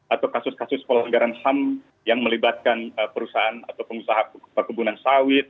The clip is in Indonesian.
atau kasus kasus pelanggaran ham yang melibatkan perusahaan atau pengusaha perkebunan sawit